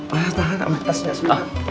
masa haram atas ya sob